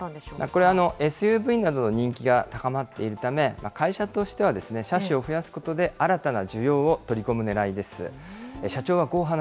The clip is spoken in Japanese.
これはＳＵＶなどの人気が高まっているため、会社としては、車種を増やすことで新たな需要を取り込むねらいです。